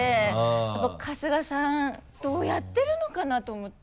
やっぱ春日さんどうやってるのかな？と思って。